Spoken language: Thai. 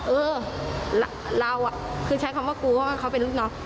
เออเราคือใช้คำว่ากลัวเพราะว่าเขาเป็นลูกน้อง